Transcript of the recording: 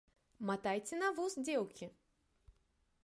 Матайце на вус, дзеўкі!